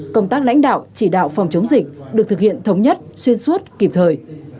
công tác lãnh đạo chỉ đạo phòng chống dịch được thực hiện thống nhất xuyên suốt kịp thời